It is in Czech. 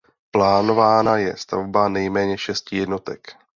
Plánována je stavba nejméně šesti jednotek.